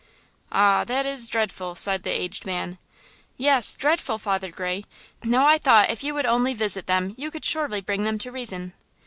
"Ah, that is dreadful!" sighed the aged man. "Yes, dreadful, Father Gray! Now I thought if you would only visit them you could surely bring them to reason!"